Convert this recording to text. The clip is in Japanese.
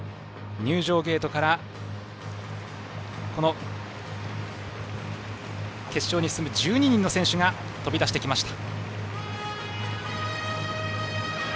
入場ゲートから決勝に進む１２人の選手が飛び出してきました。